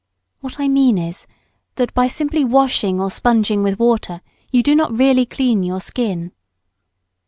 What I mean is, that by simply washing or sponging with water you do not really clean your skin.